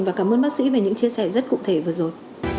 và cảm ơn bác sĩ về những chia sẻ rất cụ thể vừa rồi